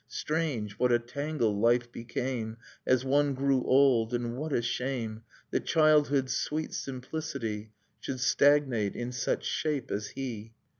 Strange, what a tangle life became As one grew old ... And what a shame That childhood's sweet simplicity Should stagnate in such shape as he